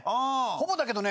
ほぼだけどね。